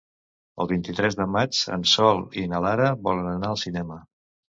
El vint-i-tres de maig en Sol i na Lara volen anar al cinema.